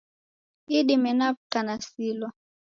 Idime naw'uka nasilwa.